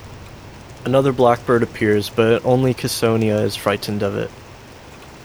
Another blackbird appears but only Caesonia is frightened of it.